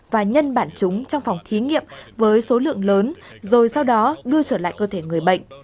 và nhân bản chúng trong phòng thí nghiệm với số lượng lớn rồi sau đó đưa trở lại cơ thể người bệnh